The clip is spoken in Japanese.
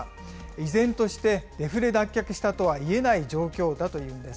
依然としてデフレ脱却したとは言えない状況だというんです。